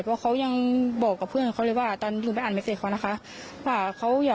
เพราะเขายังบอกกับเพื่อนเขาเลยว่า